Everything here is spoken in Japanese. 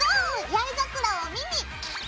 八重桜を見に。